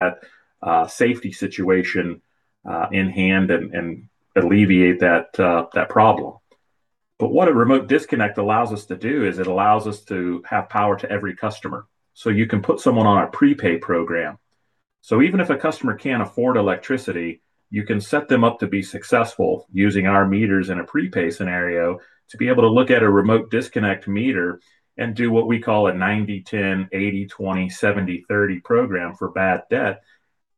That safety situation in hand and alleviate that problem. But what a remote disconnect allows us to do is it allows us to have power to every customer. So you can put someone on a prepay program. So even if a customer can't afford electricity, you can set them up to be successful using our meters in a prepay scenario to be able to look at a remote disconnect meter and do what we call a 90-10, 80-20, 70-30 program for bad debt.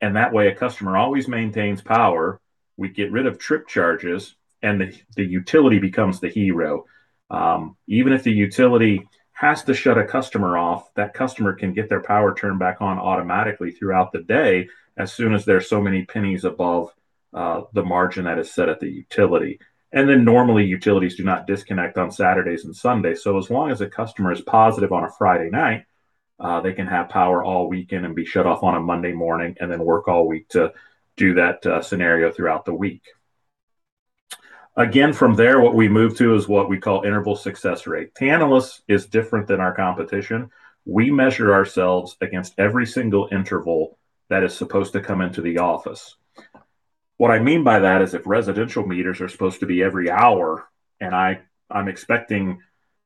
And that way, a customer always maintains power. We get rid of trip charges, and the utility becomes the hero. Even if the utility has to shut a customer off, that customer can get their power turned back on automatically throughout the day as soon as there's so many pennies above the margin that is set at the utility. And then normally, utilities do not disconnect on Saturdays and Sundays. So as long as a customer is positive on a Friday night, they can have power all weekend and be shut off on a Monday morning and then work all week to do that scenario throughout the week. Again, from there, what we move to is what we call interval success rate. Tantalus is different than our competition. We measure ourselves against every single interval that is supposed to come into the office. What I mean by that is if residential meters are supposed to be every hour, and I'm expecting,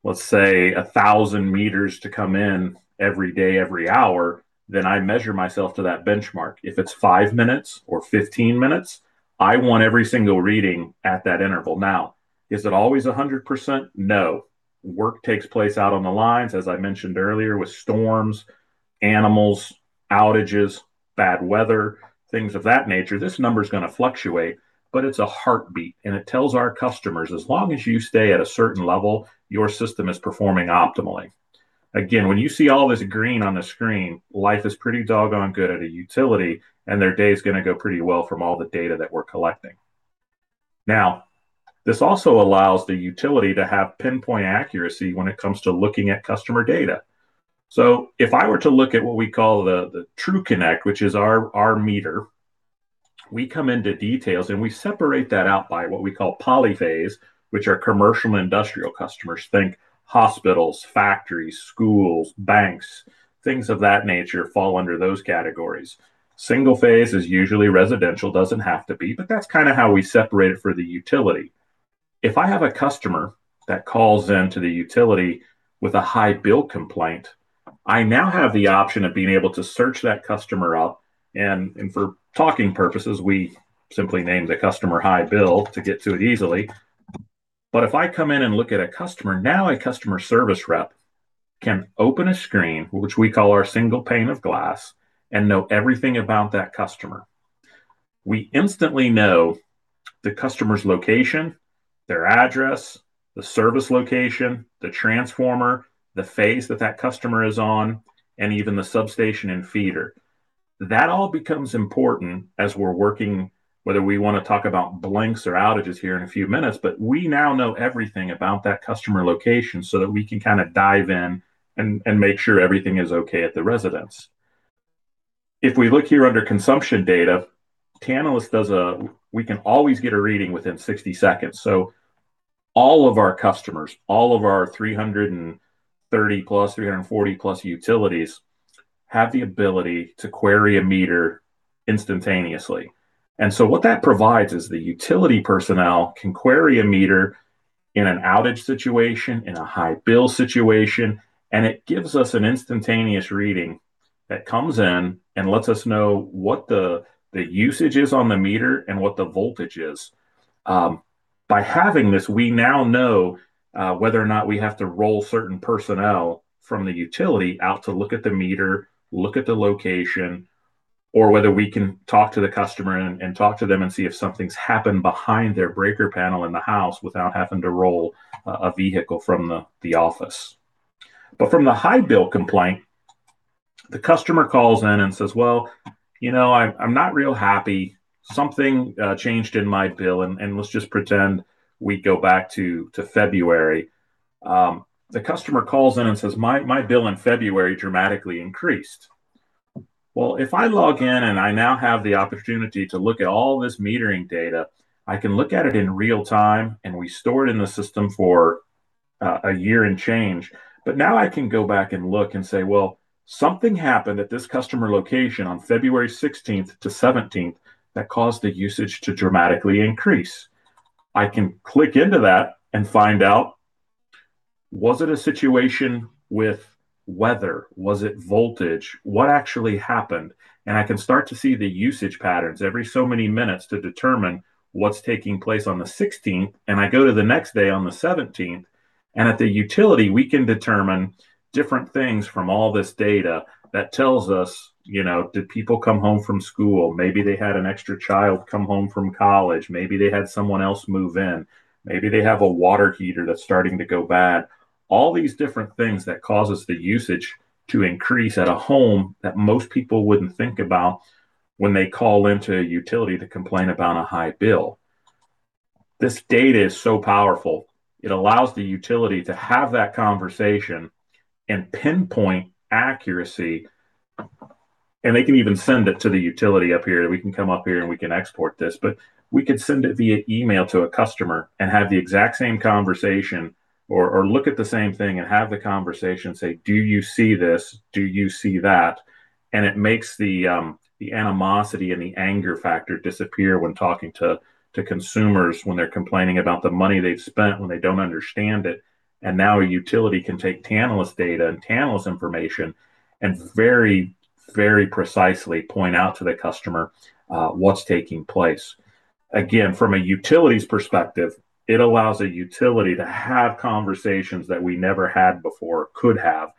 let's say, 1,000 meters to come in every day, every hour, then I measure myself to that benchmark. If it's five minutes or 15 minutes, I want every single reading at that interval. Now, is it always 100%? No. Work takes place out on the lines, as I mentioned earlier, with storms, animals, outages, bad weather, things of that nature. This number's gonna fluctuate, but it's a heartbeat, and it tells our customers, as long as you stay at a certain level, your system is performing optimally. Again, when you see all this green on the screen, life is pretty doggone good at a utility, and their day's gonna go pretty well from all the data that we're collecting. Now, this also allows the utility to have pinpoint accuracy when it comes to looking at customer data. So if I were to look at what we call the TRUConnect, which is our meter, we come into details, and we separate that out by what we call polyphase, which our commercial and industrial customers think hospitals, factories, schools, banks, things of that nature fall under those categories. Single-phase is usually residential, doesn't have to be, but that's kinda how we separate it for the utility. If I have a customer that calls into the utility with a high bill complaint, I now have the option of being able to search that customer up. And for talking purposes, we simply name the customer High Bill to get to it easily. But if I come in and look at a customer, now a customer service rep can open a screen, which we call our single pane of glass, and know everything about that customer. We instantly know the customer's location, their address, the service location, the transformer, the phase that customer is on, and even the substation and feeder. That all becomes important as we're working, whether we wanna talk about blinks or outages here in a few minutes, but we now know everything about that customer location so that we can kinda dive in and make sure everything is okay at the residence. If we look here under consumption data, Tantalus does a, we can always get a reading within 60 seconds. So all of our customers, all of our 330 class, 340 class utilities have the ability to query a meter instantaneously. And so what that provides is the utility personnel can query a meter in an outage situation, in a high bill situation, and it gives us an instantaneous reading that comes in and lets us know what the usage is on the meter and what the voltage is. By having this, we now know whether or not we have to roll certain personnel from the utility out to look at the meter, look at the location, or whether we can talk to the customer and talk to them and see if something's happened behind their breaker panel in the house without having to roll a vehicle from the office. But from the high bill complaint, the customer calls in and says, "Well, you know, I'm not real happy. Something changed in my bill." And let's just pretend we go back to February. The customer calls in and says, "My bill in February dramatically increased." If I log in and I now have the opportunity to look at all this metering data, I can look at it in real time, and we store it in the system for a year and change. But now I can go back and look and say, "Well, something happened at this customer location on February 16th-17th that caused the usage to dramatically increase." I can click into that and find out, was it a situation with weather? Was it voltage? What actually happened? And I can start to see the usage patterns every so many minutes to determine what's taking place on the 16th. And I go to the next day on the 17th, and at the utility, we can determine different things from all this data that tells us, you know, did people come home from school? Maybe they had an extra child come home from college. Maybe they had someone else move in. Maybe they have a water heater that's starting to go bad. All these different things that cause us the usage to increase at a home that most people wouldn't think about when they call into a utility to complain about a high bill. This data is so powerful. It allows the utility to have that conversation and pinpoint accuracy. And they can even send it to the utility up here. We can come up here and we can export this, but we could send it via email to a customer and have the exact same conversation or look at the same thing and have the conversation say, "Do you see this? Do you see that?" And it makes the animosity and the anger factor disappear when talking to consumers when they're complaining about the money they've spent when they don't understand it. And now a utility can take Tantalus data and Tantalus information and very, very precisely point out to the customer what's taking place. Again, from a utility's perspective, it allows a utility to have conversations that we never had before, could have.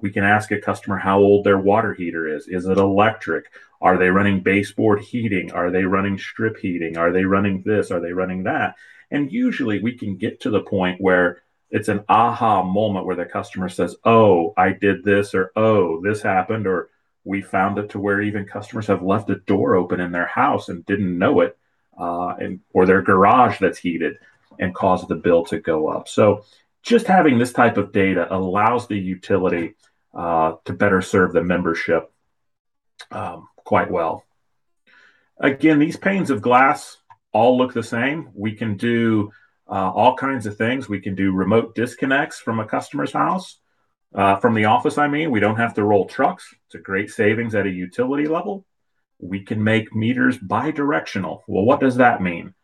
We can ask a customer how old their water heater is. Is it electric? Are they running baseboard heating? Are they running strip heating? Are they running this? Are they running that? And usually, we can get to the point where it's an aha moment where the customer says, "Oh, I did this," or "Oh, this happened," or "We found it to where even customers have left a door open in their house and didn't know it," and or their garage that's heated and caused the bill to go up. So just having this type of data allows the utility to better serve the membership quite well. Again, these panes of glass all look the same. We can do all kinds of things. We can do remote disconnects from a customer's house, from the office, I mean. We don't have to roll trucks. It's a great savings at a utility level. We can make meters bi-directional. Well, what does that mean?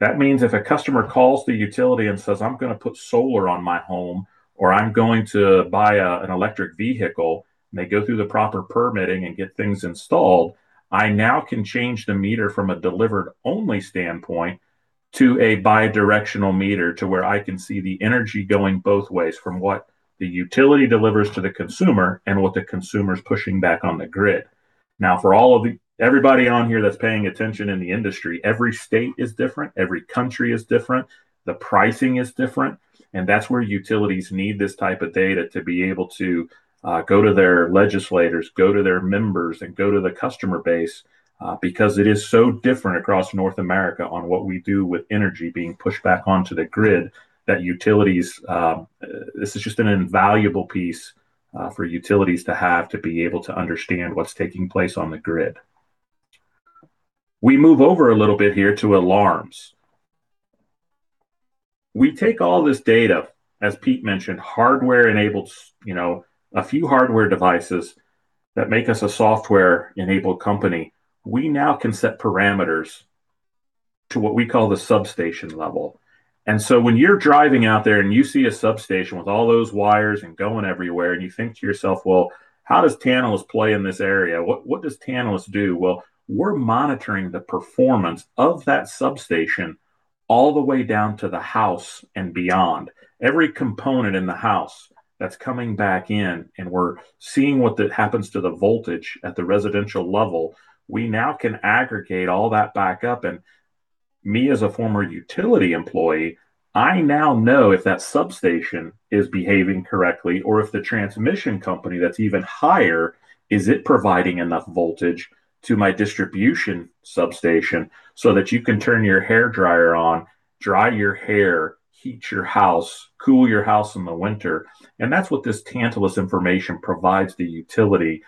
That means if a customer calls the utility and says, "I'm gonna put solar on my home," or, "I'm going to buy a, an electric vehicle," and they go through the proper permitting and get things installed, I now can change the meter from a delivered-only standpoint to a bi-directional meter to where I can see the energy going both ways from what the utility delivers to the consumer and what the consumer's pushing back on the grid. Now, for all of the everybody on here that's paying attention in the industry, every state is different. Every country is different. The pricing is different. And that's where utilities need this type of data to be able to go to their legislators, go to their members, and go to the customer base, because it is so different across North America on what we do with energy being pushed back onto the grid that utilities, this is just an invaluable piece for utilities to have to be able to understand what's taking place on the grid. We move over a little bit here to alarms. We take all this data, as Pete mentioned, hardware-enabled, you know, a few hardware devices that make us a software-enabled company. We now can set parameters to what we call the substation level. And so when you're driving out there and you see a substation with all those wires and going everywhere, and you think to yourself, "Well, how does Tantalus play in this area? What, what does Tantalus do?" Well, we're monitoring the performance of that substation all the way down to the house and beyond. Every component in the house that's coming back in, and we're seeing what that happens to the voltage at the residential level, we now can aggregate all that back up. And me, as a former utility employee, I now know if that substation is behaving correctly or if the transmission company that's even higher, is it providing enough voltage to my distribution substation so that you can turn your hair dryer on, dry your hair, heat your house, cool your house in the winter. And that's what this Tantalus information provides the utility,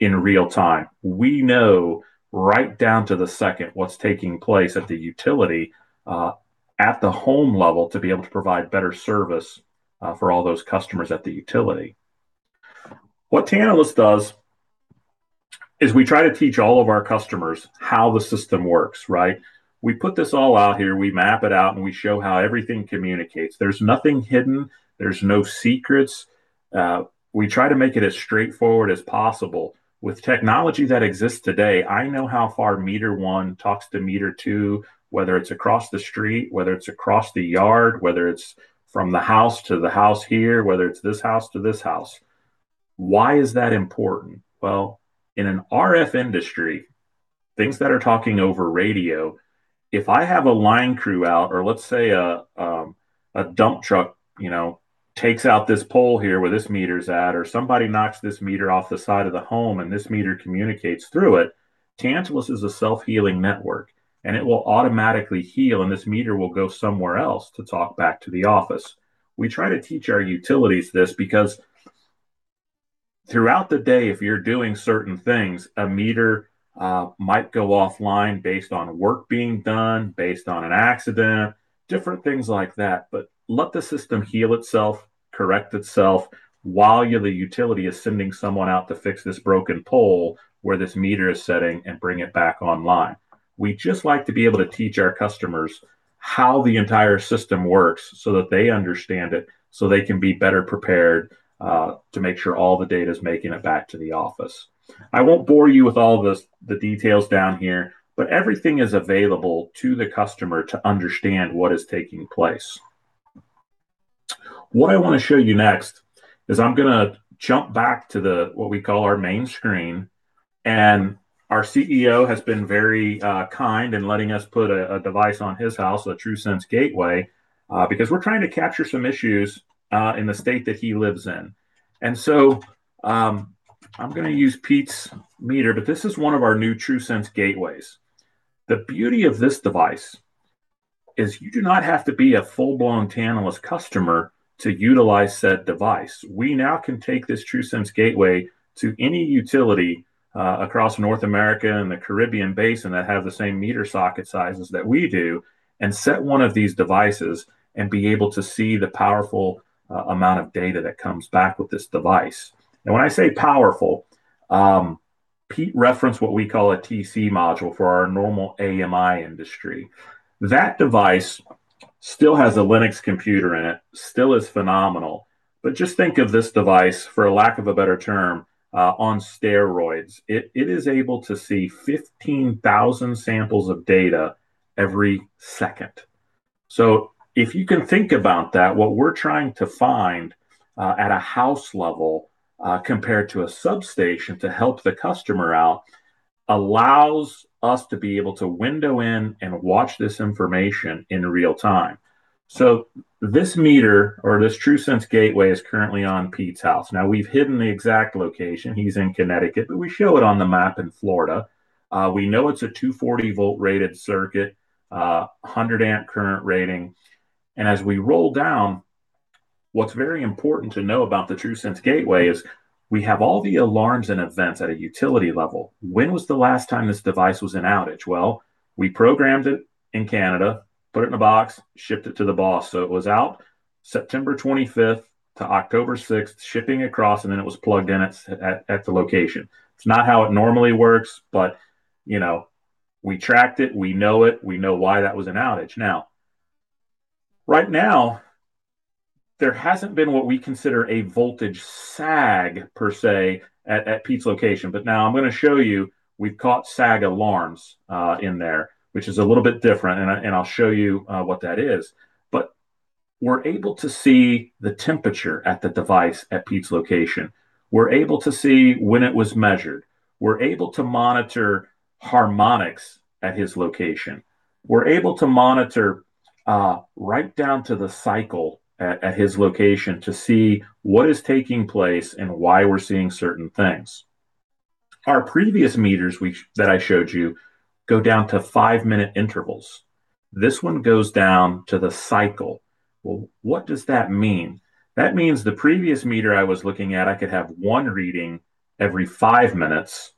in real time. We know right down to the second what's taking place at the utility, at the home level to be able to provide better service, for all those customers at the utility. What Tantalus does is we try to teach all of our customers how the system works, right? We put this all out here. We map it out, and we show how everything communicates. There's nothing hidden. There's no secrets. We try to make it as straightforward as possible. With technology that exists today, I know how far meter one talks to meter two, whether it's across the street, whether it's across the yard, whether it's from the house to the house here, whether it's this house to this house. Why is that important? In an RF industry, things that are talking over radio, if I have a line crew out or let's say a dump truck, you know, takes out this pole here where this meter's at or somebody knocks this meter off the side of the home and this meter communicates through it, Tantalus is a self-healing network, and it will automatically heal, and this meter will go somewhere else to talk back to the office. We try to teach our utilities this because throughout the day, if you're doing certain things, a meter might go offline based on work being done, based on an accident, different things like that. But let the system heal itself, correct itself while the utility is sending someone out to fix this broken pole where this meter is sitting and bring it back online. We just like to be able to teach our customers how the entire system works so that they understand it so they can be better prepared, to make sure all the data's making it back to the office. I won't bore you with all the details down here, but everything is available to the customer to understand what is taking place. What I wanna show you next is I'm gonna jump back to what we call our main screen, and our CEO has been very kind in letting us put a device on his house, a TRUSense Gateway, because we're trying to capture some issues in the state that he lives in. So, I'm gonna use Pete's meter, but this is one of our new TRUSense Gateways. The beauty of this device is you do not have to be a full-blown Tantalus customer to utilize said device. We now can take this TRUSense Gateway to any utility, across North America and the Caribbean Basin that have the same meter socket sizes that we do and set one of these devices and be able to see the powerful amount of data that comes back with this device. And when I say powerful, Pete referenced what we call a TC module for our normal AMI industry. That device still has a Linux computer in it, still is phenomenal, but just think of this device, for lack of a better term, on steroids. It is able to see 15,000 samples of data every second. If you can think about that, what we're trying to find, at a house level, compared to a substation to help the customer out allows us to be able to window in and watch this information in real time. This meter or this TRUSense Gateway is currently on Pete's house. Now, we've hidden the exact location. He's in Connecticut, but we show it on the map in Florida. We know it's a 240 volt rated circuit, 100 amp current rating. As we roll down, what's very important to know about the TRUSense Gateway is we have all the alarms and events at a utility level. When was the last time this device was in outage? We programmed it in Canada, put it in a box, shipped it to the boss. So it was out September 25th 2025 to October 6th 2025, shipping across, and then it was plugged in at the location. It's not how it normally works, but, you know, we tracked it. We know it. We know why that was an outage. Now, right now, there hasn't been what we consider a voltage sag per se at Pete's location. But now I'm gonna show you we've caught sag alarms, in there, which is a little bit different. And I'll show you what that is. But we're able to see the temperature at the device at Pete's location. We're able to see when it was measured. We're able to monitor harmonics at his location. We're able to monitor, right down to the cycle at his location to see what is taking place and why we're seeing certain things. Our previous meters that I showed you go down to five-minute intervals. This one goes down to the cycle. Well, what does that mean? That means the previous meter I was looking at, I could have one reading every five minutes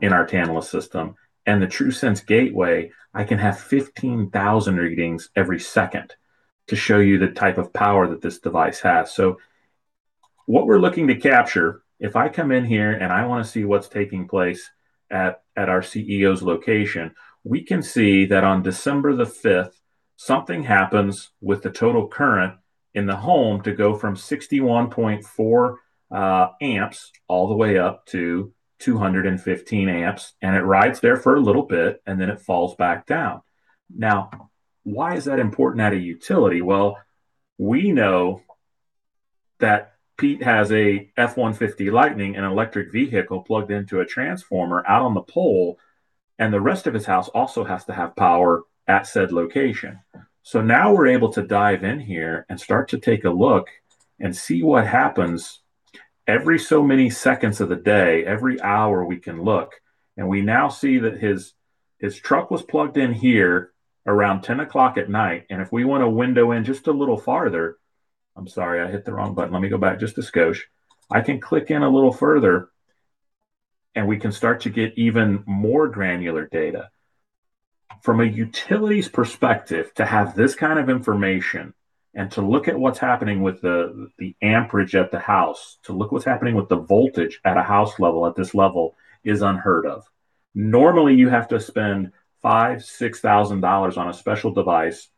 in our Tantalus system. And the TRUSense Gateway, I can have 15,000 readings every second to show you the type of power that this device has. So what we're looking to capture, if I come in here and I wanna see what's taking place at our CEO's location, we can see that on December the 5th 2025, something happens with the total current in the home to go from 61.4 amps all the way up to 215 amps. And it rides there for a little bit, and then it falls back down. Now, why is that important at a utility? We know that Pete has a F-150 Lightning, an electric vehicle plugged into a transformer out on the pole, and the rest of his house also has to have power at said location. Now we are able to dive in here and start to take a look and see what happens every so many seconds of the day. Every hour we can look. We now see that his truck was plugged in here around 10:00 P.M. If we want to window in just a little farther, I am sorry. I hit the wrong button. Let me go back just to Scotia. I can click in a little further, and we can start to get even more granular data. From a utility's perspective, to have this kind of information and to look at what's happening with the amperage at the house, to look what's happening with the voltage at a house level at this level is unheard of. Normally, you have to spend $5,000-$6,000 on a special device,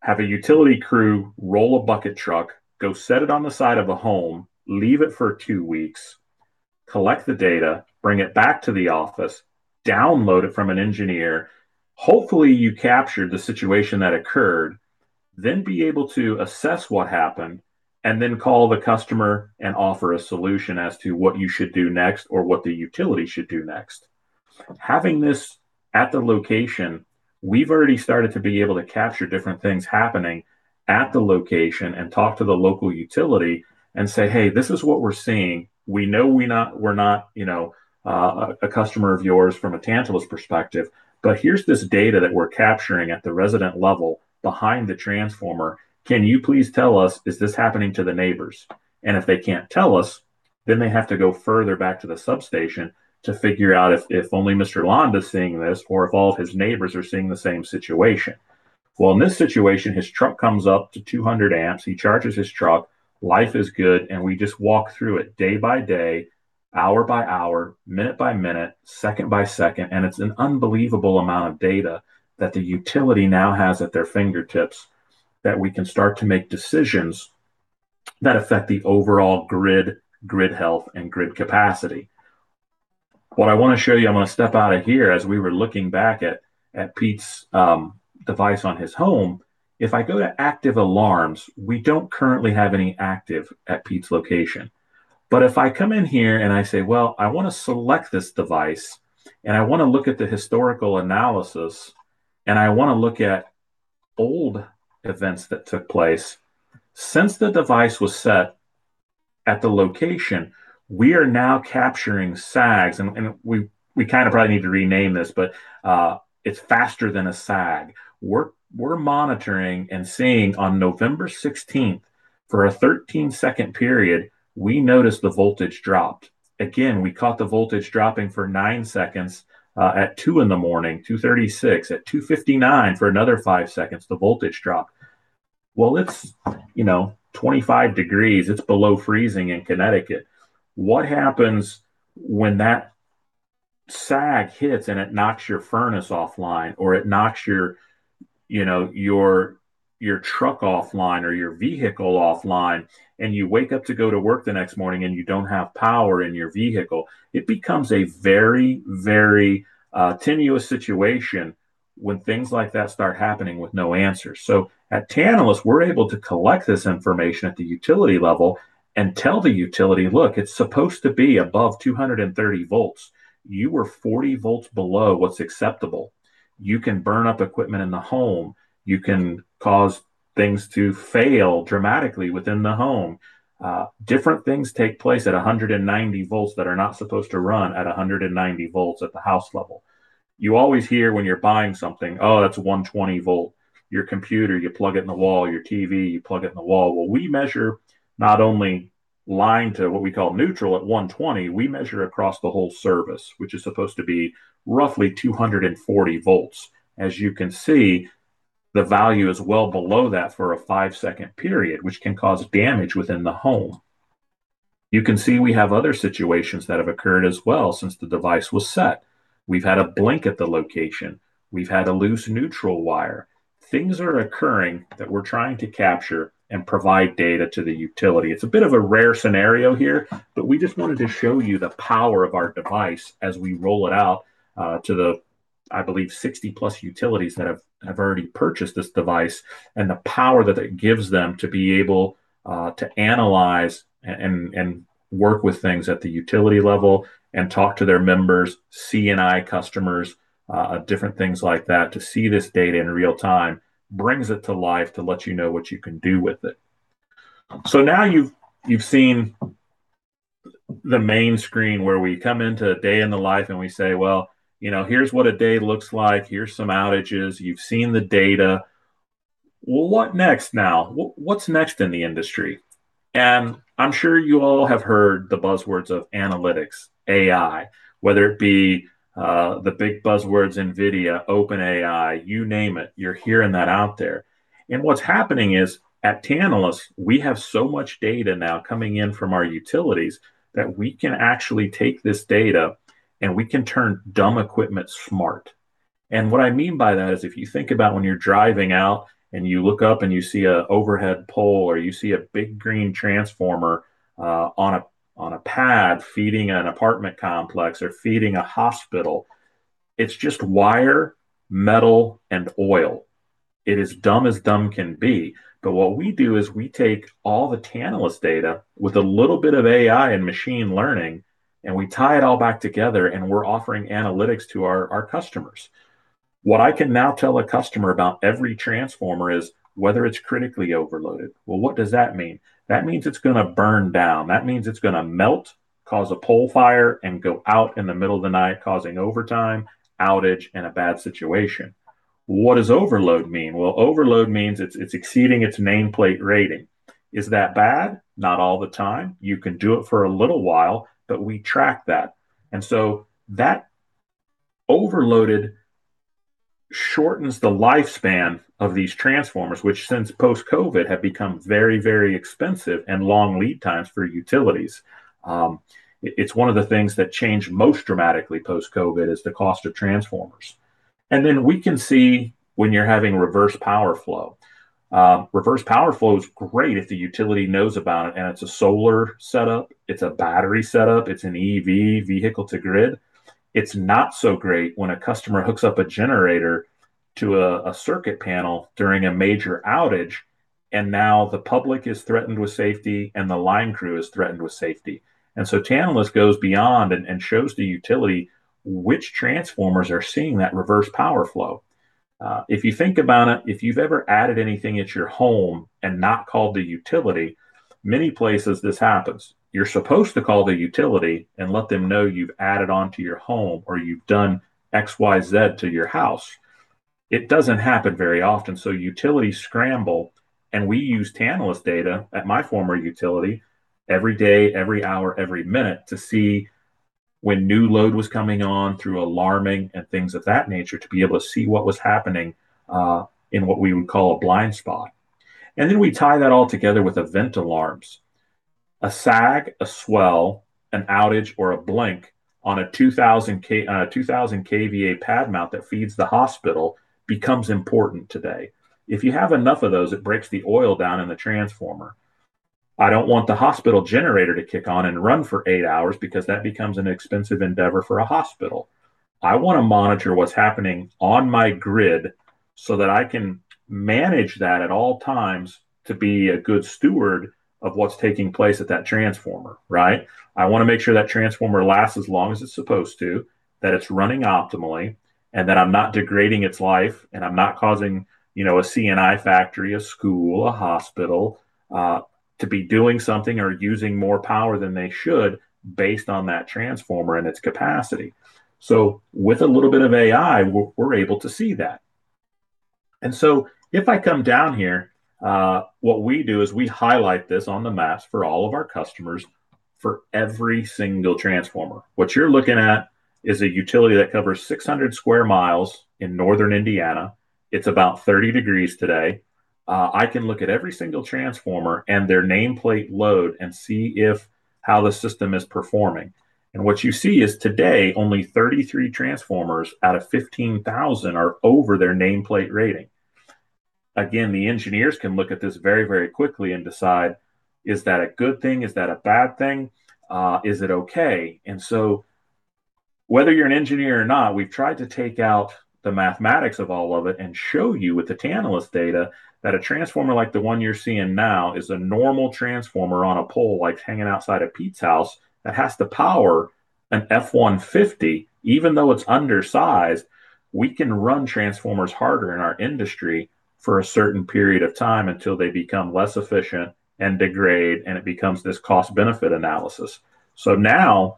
have a utility crew roll a bucket truck, go set it on the side of a home, leave it for two weeks, collect the data, bring it back to the office, download it from an engineer. Hopefully, you captured the situation that occurred. Then be able to assess what happened and then call the customer and offer a solution as to what you should do next or what the utility should do next. Having this at the location, we've already started to be able to capture different things happening at the location and talk to the local utility and say, "Hey, this is what we're seeing. We know we're not, you know, a customer of yours from a Tantalus perspective, but here's this data that we're capturing at the resident level behind the transformer. Can you please tell us, is this happening to the neighbors?" And if they can't tell us, then they have to go further back to the substation to figure out if only Mr. Landa's seeing this or if all of his neighbors are seeing the same situation. Well, in this situation, his truck comes up to 200 amps. He charges his truck. Life is good. And we just walk through it day by day, hour by hour, minute by minute, second by second. It's an unbelievable amount of data that the utility now has at their fingertips that we can start to make decisions that affect the overall grid, grid health, and grid capacity. What I wanna show you, I'm gonna step out of here as we were looking back at Pete's device on his home. If I go to active alarms, we don't currently have any active at Pete's location. But if I come in here and I say, "Well, I wanna select this device, and I wanna look at the historical analysis, and I wanna look at old events that took place since the device was set at the location," we are now capturing sags. We kinda probably need to rename this, but it's faster than a sag. We're monitoring and seeing on November 16th 2025 for a 13-second period, we noticed the voltage dropped. Again, we caught the voltage dropping for nine seconds, at 2:00 A.M., 2:36 A.M., at 2:59 A.M. for another five seconds, the voltage dropped, well, it's, you know, 25 degrees Fahrenheit. It's below freezing in Connecticut. What happens when that sag hits and it knocks your furnace offline or it knocks your, you know, your, your truck offline or your vehicle offline and you wake up to go to work the next morning and you don't have power in your vehicle? It becomes a very, very, tenuous situation when things like that start happening with no answers, so at Tantalus, we're able to collect this information at the utility level and tell the utility, "Look, it's supposed to be above 230 volts. You were 40 volts below what's acceptable. You can burn up equipment in the home. You can cause things to fail dramatically within the home." Different things take place at 190 volts that are not supposed to run at 190 volts at the house level. You always hear when you're buying something, "Oh, that's 120 volt." Your computer, you plug it in the wall, your TV, you plug it in the wall. Well, we measure not only line to what we call neutral at 120 volts, we measure across the whole service, which is supposed to be roughly 240 volts. As you can see, the value is well below that for a five-second period, which can cause damage within the home. You can see we have other situations that have occurred as well since the device was set. We've had a blink at the location. We've had a loose neutral wire. Things are occurring that we're trying to capture and provide data to the utility. It's a bit of a rare scenario here, but we just wanted to show you the power of our device as we roll it out to the, I believe, 60+ utilities that have already purchased this device and the power that it gives them to be able to analyze and work with things at the utility level and talk to their members, CNI customers, different things like that to see this data in real time. It brings it to life to let you know what you can do with it. So now you've seen the main screen where we come into a day in the life and we say, "Well, you know, here's what a day looks like. Here's some outages. You've seen the data. Well, what next now? What's next in the industry?" And I'm sure you all have heard the buzzwords of analytics, AI, whether it be the big buzzwords, NVIDIA, OpenAI, you name it, you're hearing that out there. And what's happening is at Tantalus, we have so much data now coming in from our utilities that we can actually take this data and we can turn dumb equipment smart. And what I mean by that is if you think about when you're driving out and you look up and you see an overhead pole or you see a big green transformer on a pad feeding an apartment complex or feeding a hospital, it's just wire, metal, and oil. It is dumb as dumb can be. But what we do is we take all the Tantalus data with a little bit of AI and machine learning, and we tie it all back together, and we're offering analytics to our customers. What I can now tell a customer about every transformer is whether it's critically overloaded. Well, what does that mean? That means it's gonna burn down. That means it's gonna melt, cause a pole fire, and go out in the middle of the night, causing overtime, outage, and a bad situation. What does overload mean? Well, overload means it's exceeding its nameplate rating. Is that bad? Not all the time. You can do it for a little while, but we track that. And so that overloaded shortens the lifespan of these transformers, which since post-COVID have become very, very expensive and long lead times for utilities. It's one of the things that changed most dramatically post-COVID: the cost of transformers, and then we can see when you're having reverse power flow. Reverse power flow is great if the utility knows about it and it's a solar setup, it's a battery setup, it's an EV vehicle to grid. It's not so great when a customer hooks up a generator to a circuit panel during a major outage, and now the public is threatened with safety and the line crew is threatened with safety. Tantalus goes beyond and shows the utility which transformers are seeing that reverse power flow. If you think about it, if you've ever added anything at your home and not called the utility, many places this happens. You're supposed to call the utility and let them know you've added onto your home or you've done X, Y, Z to your house. It doesn't happen very often. So utilities scramble. And we use Tantalus data at my former utility every day, every hour, every minute to see when new load was coming on through alarming and things of that nature, to be able to see what was happening, in what we would call a blind spot. And then we tie that all together with event alarms. A sag, a swell, an outage, or a blink on a 2,000 K, 2,000 KVA pad mount that feeds the hospital becomes important today. If you have enough of those, it breaks the oil down in the transformer. I don't want the hospital generator to kick on and run for eight hours because that becomes an expensive endeavor for a hospital. I wanna monitor what's happening on my grid so that I can manage that at all times to be a good steward of what's taking place at that transformer, right? I wanna make sure that transformer lasts as long as it's supposed to, that it's running optimally, and that I'm not degrading its life, and I'm not causing, you know, a CNI factory, a school, a hospital, to be doing something or using more power than they should based on that transformer and its capacity. So with a little bit of AI, we're able to see that, and so if I come down here, what we do is we highlight this on the maps for all of our customers for every single transformer. What you're looking at is a utility that covers 600 sq mi in northern Indiana. It's about 30 degrees Fahrenheit today. I can look at every single transformer and their nameplate load and see how the system is performing. And what you see is today, only 33 transformers out of 15,000 are over their nameplate rating. Again, the engineers can look at this very, very quickly and decide, is that a good thing? Is that a bad thing? Is it okay? And so whether you're an engineer or not, we've tried to take out the mathematics of all of it and show you with the Tantalus data that a transformer like the one you're seeing now is a normal transformer on a pole like hanging outside a Pete's house that has to power an F-150. Even though it's undersized, we can run transformers harder in our industry for a certain period of time until they become less efficient and degrade, and it becomes this cost-benefit analysis. So now,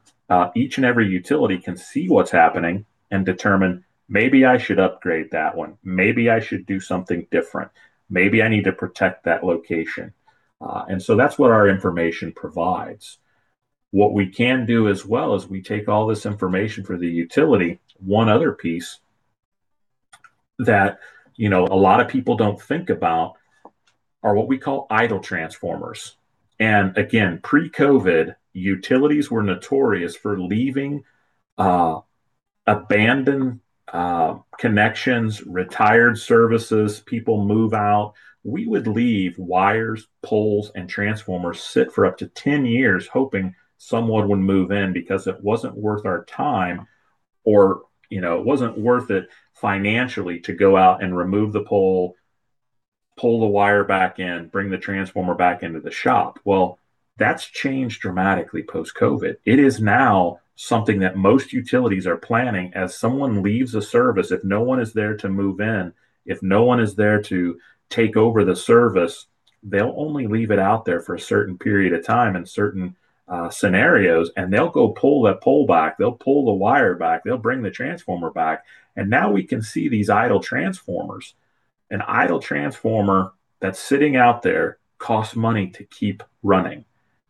each and every utility can see what's happening and determine, maybe I should upgrade that one. Maybe I should do something different. Maybe I need to protect that location, and so that's what our information provides. What we can do as well is we take all this information for the utility. One other piece that, you know, a lot of people don't think about are what we call idle transformers. And again, pre-COVID, utilities were notorious for leaving abandoned connections, retired services. People move out. We would leave wires, poles, and transformers sit for up to 10 years hoping someone would move in because it wasn't worth our time or, you know, it wasn't worth it financially to go out and remove the pole, pull the wire back in, bring the transformer back into the shop. Well, that's changed dramatically post-COVID. It is now something that most utilities are planning. As someone leaves a service, if no one is there to move in, if no one is there to take over the service, they'll only leave it out there for a certain period of time and certain scenarios, and they'll go pull that pole back. They'll pull the wire back. They'll bring the transformer back, and now we can see these idle transformers. An idle transformer that's sitting out there costs money to keep running,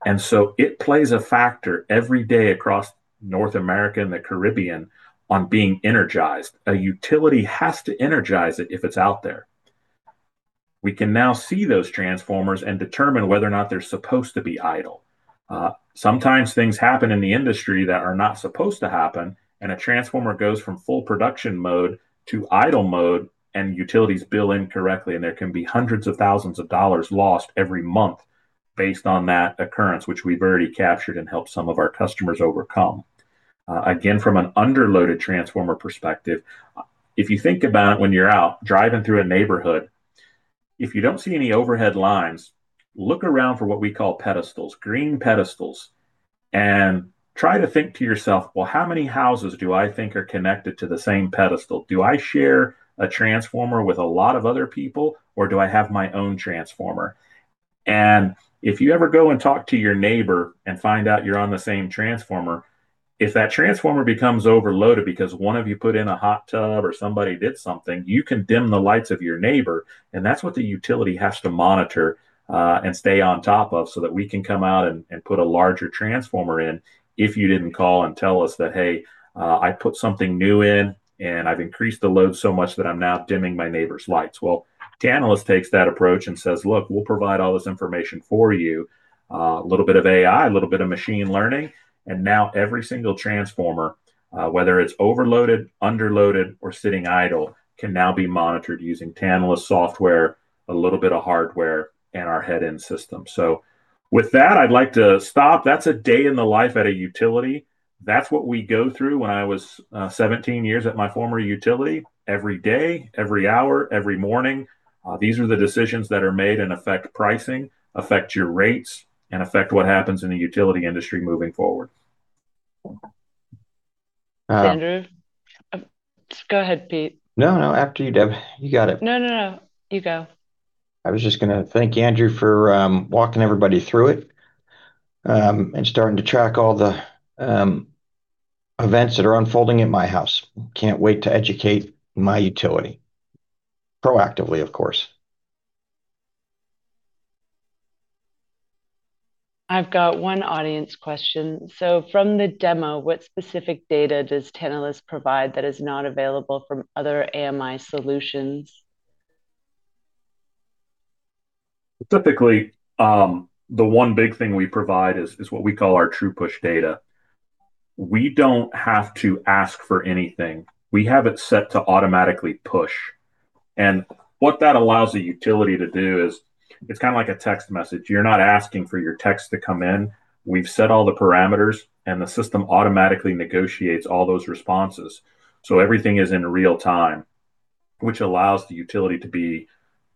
and so it plays a factor every day across North America and the Caribbean on being energized. A utility has to energize it if it's out there. We can now see those transformers and determine whether or not they're supposed to be idle. Sometimes things happen in the industry that are not supposed to happen, and a transformer goes from full production mode to idle mode, and utilities bill incorrectly, and there can be hundreds of thousands of dollars lost every month based on that occurrence, which we've already captured and helped some of our customers overcome. Again, from an underloaded transformer perspective, if you think about when you're out driving through a neighborhood, if you don't see any overhead lines, look around for what we call pedestals, green pedestals, and try to think to yourself, "Well, how many houses do I think are connected to the same pedestal? Do I share a transformer with a lot of other people, or do I have my own transformer?" And if you ever go and talk to your neighbor and find out you're on the same transformer, if that transformer becomes overloaded because one of you put in a hot tub or somebody did something, you can dim the lights of your neighbor, and that's what the utility has to monitor, and stay on top of so that we can come out and put a larger transformer in if you didn't call and tell us that, "Hey, I put something new in, and I've increased the load so much that I'm now dimming my neighbor's lights." Well, Tantalus takes that approach and says, "Look, we'll provide all this information for you, a little bit of AI, a little bit of machine learning, and now every single transformer, whether it's overloaded, underloaded, or sitting idle, can now be monitored using Tantalus software, a little bit of hardware, and our head-end system." So with that, I'd like to stop. That's a day in the life at a utility. That's what we go through when I was 17 years at my former utility every day, every hour, every morning. These are the decisions that are made and affect pricing, affect your rates, and affect what happens in the utility industry moving forward. Andrew, go ahead, Pete. No, no, after you, Deb. You got it. No, no, no. You go. I was just gonna thank Andrew for walking everybody through it and starting to track all the events that are unfolding at my house. Can't wait to educate my utility proactively, of course. I've got one audience question. So from the demo, what specific data does Tantalus provide that is not available from other AMI solutions? Typically, the one big thing we provide is what we call our TRUPush data. We don't have to ask for anything. We have it set to automatically push, and what that allows a utility to do is it's kinda like a text message. You're not asking for your text to come in. We've set all the parameters, and the system automatically negotiates all those responses, so everything is in real time, which allows the utility to be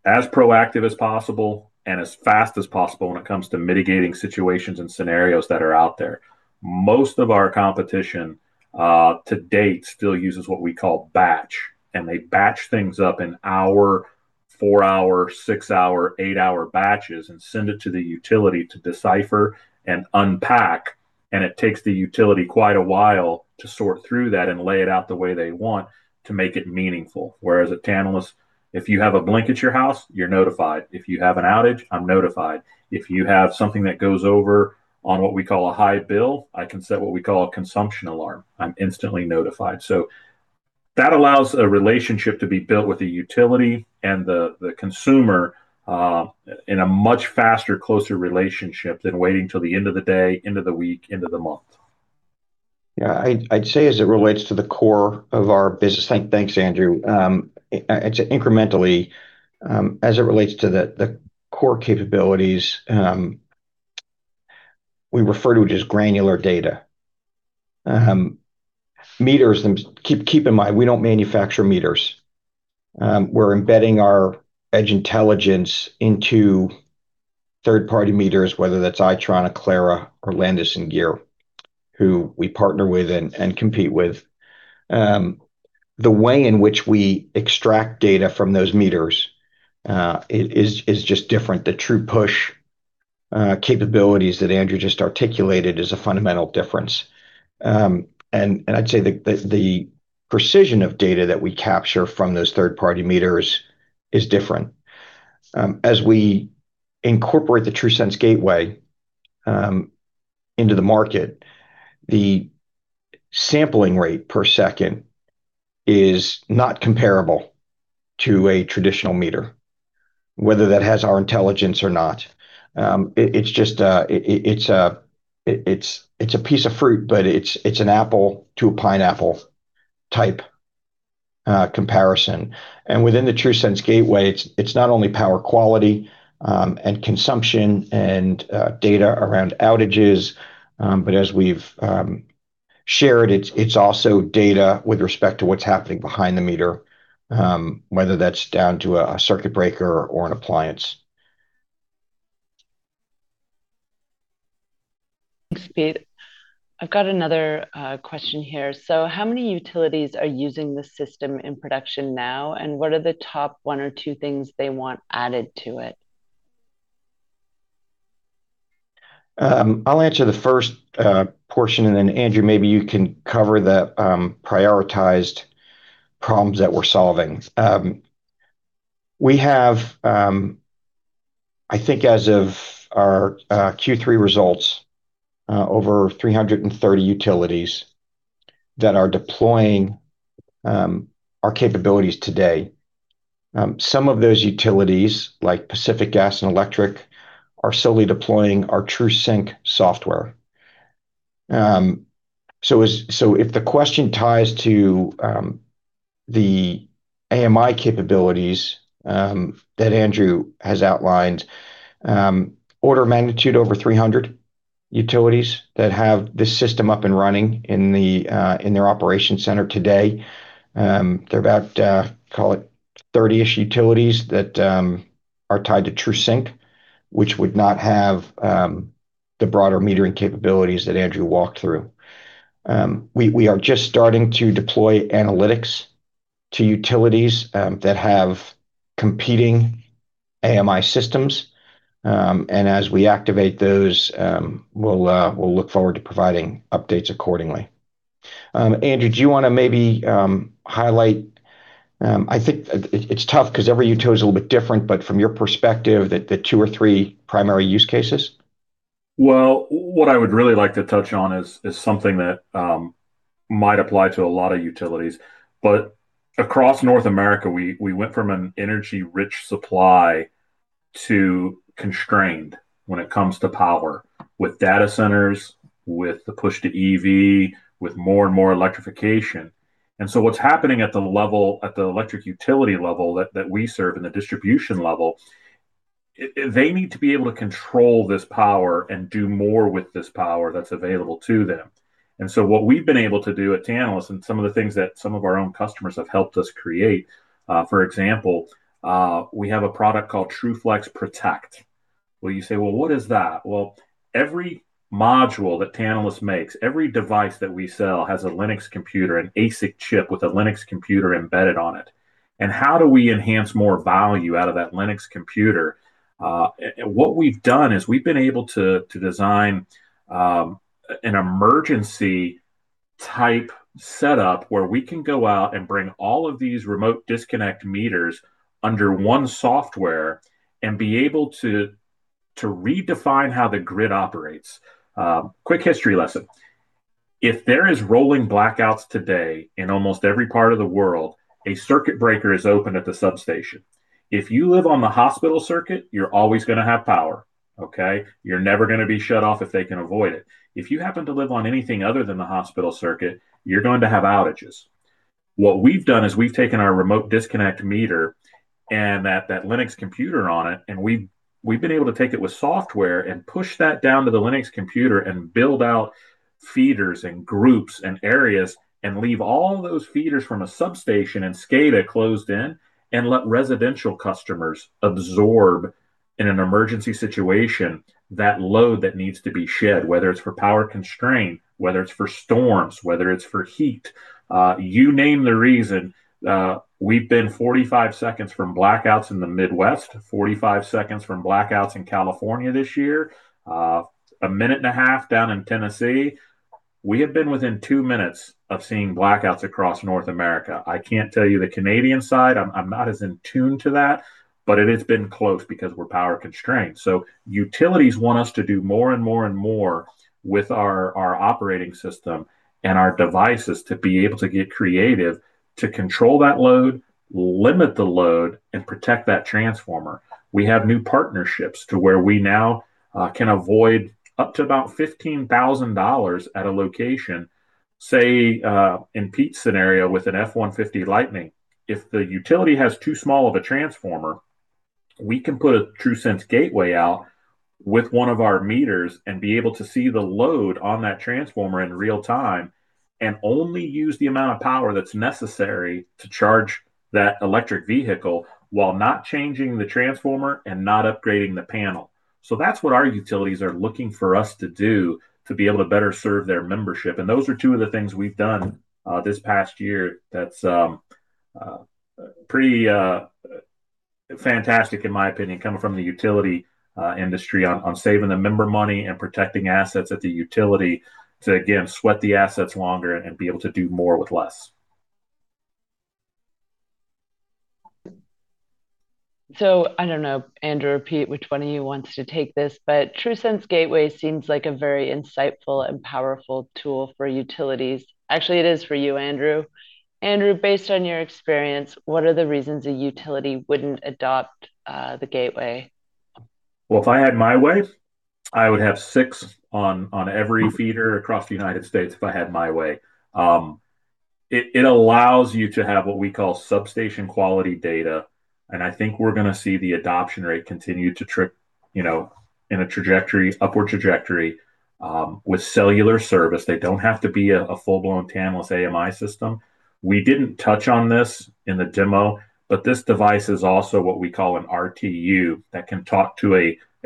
as proactive as possible and as fast as possible when it comes to mitigating situations and scenarios that are out there. Most of our competition, to date still uses what we call batch, and they batch things up in hour, four-hour, six-hour, eight-hour batches and send it to the utility to decipher and unpack, and it takes the utility quite a while to sort through that and lay it out the way they want to make it meaningful. Whereas at Tantalus, if you have a blink at your house, you're notified. If you have an outage, I'm notified. If you have something that goes over on what we call a high bill, I can set what we call a consumption alarm. I'm instantly notified. So that allows a relationship to be built with the utility and the consumer, in a much faster, closer relationship than waiting till the end of the day, end of the week, end of the month. Yeah. I'd say as it relates to the core of our business, thanks, Andrew. It's incrementally, as it relates to the core capabilities, we refer to it as granular data. Meters, keep in mind, we don't manufacture meters. We're embedding our edge intelligence into third-party meters, whether that's Itron, Aclara, or Landis+Gyr, who we partner with and compete with. The way in which we extract data from those meters is just different. The TRUPush capabilities that Andrew just articulated is a fundamental difference. I'd say the precision of data that we capture from those third-party meters is different. As we incorporate the TRUSense Gateway into the market, the sampling rate per second is not comparable to a traditional meter, whether that has our intelligence or not. It's just a piece of fruit, but it's an apple to a pineapple type comparison. And within the TRUSense Gateway, it's not only power quality, and consumption and data around outages, but as we've shared, it's also data with respect to what's happening behind the meter, whether that's down to a circuit breaker or an appliance. Thanks, Pete. I've got another question here. So how many utilities are using the system in production now, and what are the top one or two things they want added to it? I'll answer the first portion, and then Andrew, maybe you can cover the prioritized problems that we're solving. We have, I think as of our Q3 results, over 330 utilities that are deploying our capabilities today. Some of those utilities, like Pacific Gas and Electric, are solely deploying our TRUSync software. So if the question ties to the AMI capabilities that Andrew has outlined, order of magnitude over 300 utilities that have this system up and running in their operations center today. There are about, call it 30-ish utilities that are tied to TRUSync, which would not have the broader metering capabilities that Andrew walked through. We are just starting to deploy analytics to utilities that have competing AMI systems. And as we activate those, we'll look forward to providing updates accordingly. Andrew, do you wanna maybe highlight? I think it's tough 'cause every utility's a little bit different, but from your perspective, the two or three primary use cases? Well, what I would really like to touch on is something that might apply to a lot of utilities. But across North America, we went from an energy-rich supply to constrained when it comes to power with data centers, with the push to EV, with more and more electrification. And so what's happening at the level, at the electric utility level that we serve in the distribution level, they need to be able to control this power and do more with this power that's available to them. What we've been able to do at Tantalus and some of the things that some of our own customers have helped us create, for example, we have a product called TRUFlex Protect. Well, you say, "Well, what is that?" Well, every module that Tantalus makes, every device that we sell has a Linux computer, an ASIC chip with a Linux computer embedded on it. And how do we enhance more value out of that Linux computer? What we've done is we've been able to design an emergency type setup where we can go out and bring all of these remote disconnect meters under one software and be able to redefine how the grid operates. Quick history lesson. If there is rolling blackouts today in almost every part of the world, a circuit breaker is open at the substation. If you live on the hospital circuit, you're always gonna have power, okay? You're never gonna be shut off if they can avoid it. If you happen to live on anything other than the hospital circuit, you're going to have outages. What we've done is we've taken our remote disconnect meter and that Linux computer on it, and we've been able to take it with software and push that down to the Linux computer and build out feeders and groups and areas and leave all those feeders from a substation and SCADA closed in and let residential customers absorb in an emergency situation that load that needs to be shed, whether it's for power constraint, whether it's for storms, whether it's for heat, you name the reason. We've been 45 seconds from blackouts in the Midwest, 45 seconds from blackouts in California this year, a minute and a half down in Tennessee. We have been within two minutes of seeing blackouts across North America. I can't tell you the Canadian side. I'm not as in tune to that, but it has been close because we're power constrained. Utilities want us to do more and more and more with our operating system and our devices to be able to get creative to control that load, limit the load, and protect that transformer. We have new partnerships to where we now can avoid up to about $15,000 at a location, say, in Pete's scenario with an F-150 Lightning. If the utility has too small of a transformer, we can put a TRUSense Gateway out with one of our meters and be able to see the load on that transformer in real time and only use the amount of power that's necessary to charge that electric vehicle while not changing the transformer and not upgrading the panel, so that's what our utilities are looking for us to do to be able to better serve their membership, and those are two of the things we've done this past year that's pretty fantastic in my opinion, coming from the utility industry on saving the member money and protecting assets at the utility to again sweat the assets longer and be able to do more with less. I don't know, Andrew or Pete, which one of you wants to take this, but TRUSense Gateway seems like a very insightful and powerful tool for utilities. Actually, it is for you, Andrew. Andrew, based on your experience, what are the reasons a utility wouldn't adopt the Gateway? Well, if I had my way, I would have six on every feeder across the United States if I had my way. It allows you to have what we call substation quality data. And I think we're gonna see the adoption rate continue to tick, you know, in a trajectory, upward trajectory, with cellular service. They don't have to be a full-blown Tantalus AMI system. We didn't touch on this in the demo, but this device is also what we call an RTU that can talk to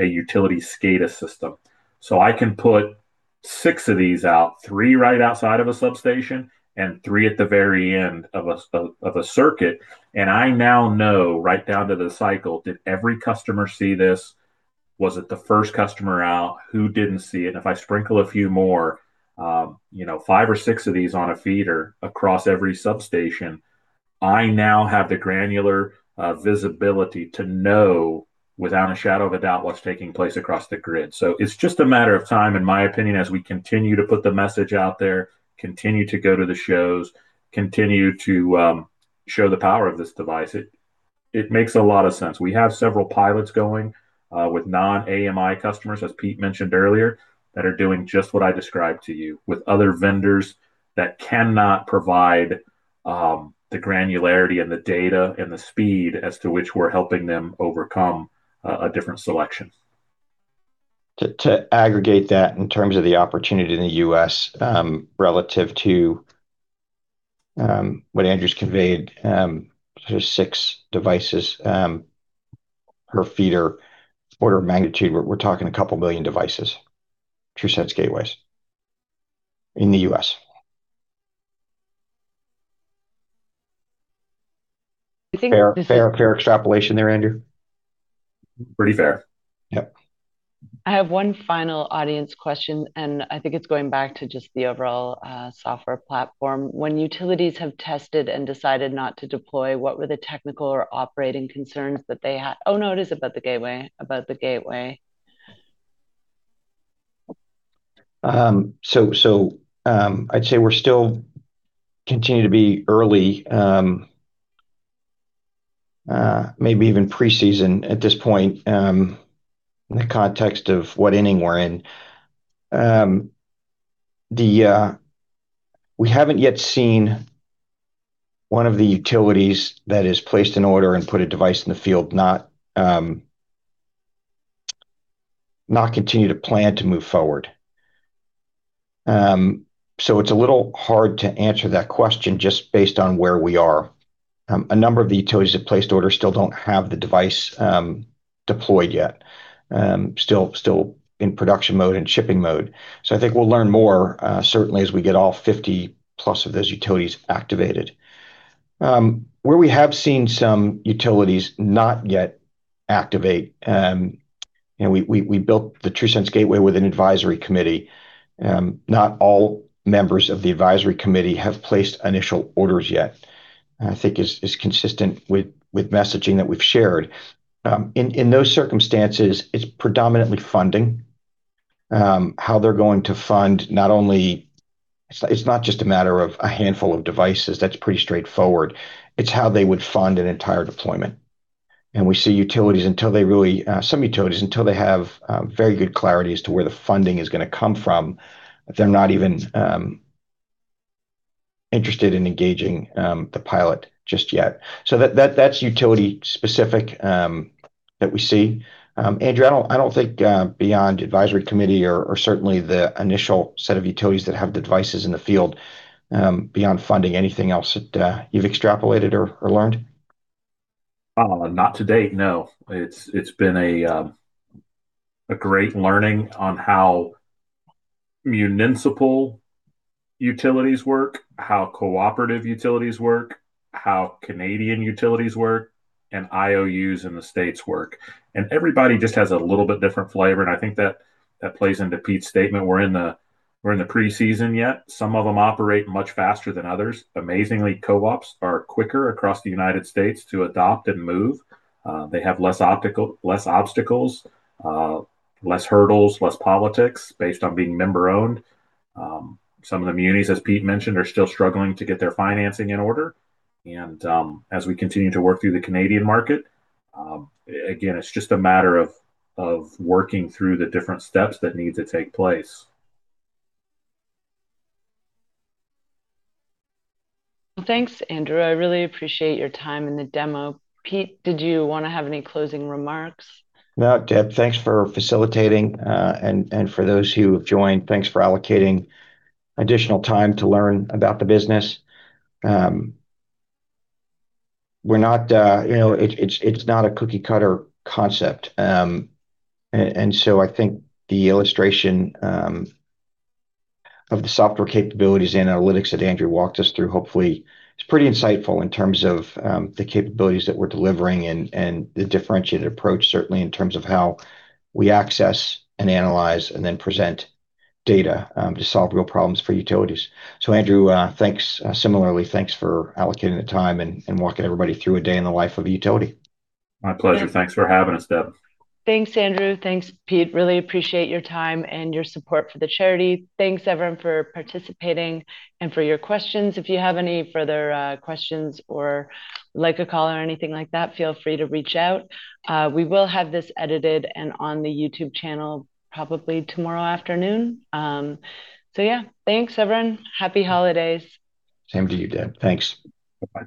a utility SCADA system. So I can put six of these out, three right outside of a substation and three at the very end of a circuit. And I now know right down to the cycle, did every customer see this? Was it the first customer out? Who didn't see it? And if I sprinkle a few more, you know, five or six of these on a feeder across every substation, I now have the granular visibility to know without a shadow of a doubt what's taking place across the grid. So it's just a matter of time, in my opinion, as we continue to put the message out there, continue to go to the shows, continue to show the power of this device. It makes a lot of sense. We have several pilots going with non-AMI customers, as Pete mentioned earlier, that are doing just what I described to you with other vendors that cannot provide the granularity and the data and the speed as to which we're helping them overcome a different selection. To aggregate that in terms of the opportunity in the US, relative to what Andrew's conveyed, six devices per feeder, order of magnitude, we're talking a couple million devices, TRUSense Gateways in the U.S.. Fair, fair, fair extrapolation there, Andrew? Pretty fair. Yep. I have one final audience question, and I think it's going back to just the overall software platform. When utilities have tested and decided not to deploy, what were the technical or operating concerns that they had? Oh, no, it is about the Gateway, about the Gateway. So, I'd say we're still continue to be early, maybe even preseason at this point, in the context of what inning we're in. We haven't yet seen one of the utilities that is placed in order and put a device in the field not continue to plan to move forward. So it's a little hard to answer that question just based on where we are. A number of the utilities that placed order still don't have the device deployed yet, still in production mode and shipping mode. So I think we'll learn more, certainly as we get all 50+ of those utilities activated. Where we have seen some utilities not yet activate, you know, we built the TRUSense Gateway with an advisory committee. Not all members of the advisory committee have placed initial orders yet. I think is consistent with messaging that we've shared. In those circumstances, it's predominantly funding, how they're going to fund not only. It's not just a matter of a handful of devices. That's pretty straightforward. It's how they would fund an entire deployment. And we see some utilities until they have very good clarity as to where the funding is gonna come from. They're not even interested in engaging the pilot just yet. So that's utility-specific, that we see. Andrew, I don't think, beyond advisory committee or certainly the initial set of utilities that have the devices in the field, beyond funding, anything else that you've extrapolated or learned? Not to date, no. It's been a great learning on how municipal utilities work, how cooperative utilities work, how Canadian utilities work, and IOUs in the states work. And everybody just has a little bit different flavor. And I think that plays into Pete's statement. We're in the preseason yet. Some of them operate much faster than others. Amazingly, co-ops are quicker across the United States to adopt and move. They have less optics, less obstacles, less hurdles, less politics based on being member-owned. Some of the munis, as Pete mentioned, are still struggling to get their financing in order. And as we continue to work through the Canadian market, again, it's just a matter of working through the different steps that need to take place. Well, thanks, Andrew. I really appreciate your time in the demo. Pete, did you wanna have any closing remarks? No, Deb, thanks for facilitating, and for those who have joined, thanks for allocating additional time to learn about the business. We're not, you know, it's not a cookie-cutter concept, and so I think the illustration of the software capabilities and analytics that Andrew walked us through hopefully is pretty insightful in terms of the capabilities that we're delivering and the differentiated approach, certainly in terms of how we access and analyze and then present data to solve real problems for utilities. So, Andrew, thanks, similarly, thanks for allocating the time and walking everybody through a day in the life of a utility. My pleasure. Thanks for having us, Deb. Thanks, Andrew. Thanks, Pete. Really appreciate your time and your support for the charity. Thanks, everyone, for participating and for your questions. If you have any further questions or like a call or anything like that, feel free to reach out. We will have this edited and on the YouTube channel probably tomorrow afternoon. So yeah, thanks, everyone. Happy holidays. Same to you, Deb. Thanks.